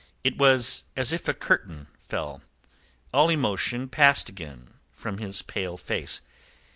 It was as if a curtain fell. All emotion passed again from his pale face.